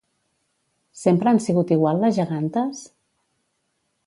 Sempre han sigut igual les gegantes?